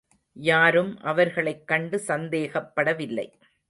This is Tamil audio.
யாரும் அவர்களைக் கண்டு சந்தேகப்படவில்லை.